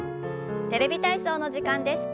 「テレビ体操」の時間です。